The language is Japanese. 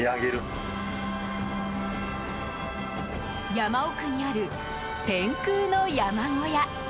山奥にある天空の山小屋。